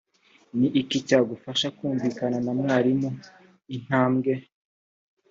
ni iki cyagufasha kumvikana na mwarimu intambwe